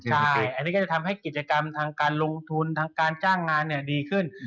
ใช่อันนี้ก็จะทำให้กิจกรรมทางการลงทุนทางการจ้างงานดีขึ้น